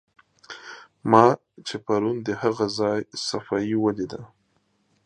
ما چې پرون د هغه ځای صفایي ولیده.